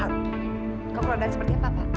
kalau keluargaan sepertinya papa